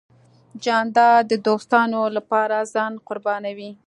جانداد د دوستانو له پاره ځان قربانوي .